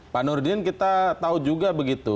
pak nurdin kita tahu juga begitu